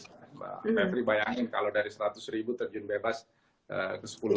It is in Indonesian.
mbak ferry bayangin kalau dari seratus ribu terjun bebas ke sepuluh ribu ya